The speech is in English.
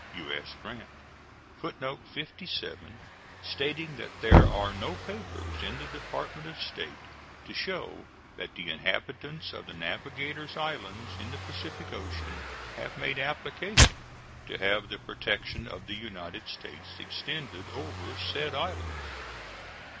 U.S. GRANT. [Footnote 57: Stating that there are no papers in the Department of State to show that the inhabitants of the Navigators Islands, in the Pacific Ocean, have made application to have the protection of the United States extended over said islands.